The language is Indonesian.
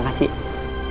aku mau pergi ke rumah